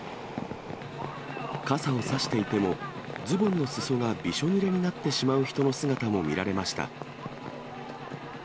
傘を差していても、ズボンのすそがびしょぬれになってしまう人の姿も見られました。